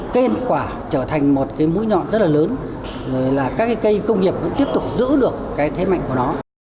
kết quả trở thành một cái mũi nhọn rất là lớn rồi là các cây công nghiệp cũng tiếp tục giữ được cái thế mạnh của nó